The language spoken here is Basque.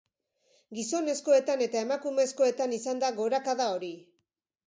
Gizonezkoetan eta emakumezkoetan izan da gorakada hori.